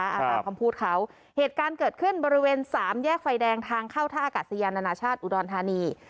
ตามคำพูดเขาเหตุการณ์เกิดขึ้นบริเวณสามแยกไฟแดงทางเข้าท่าอากาศยานานาชาติอุดรธานี